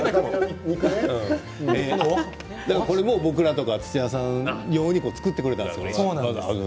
これは僕らとか土屋さん用に作ってくれたんですね。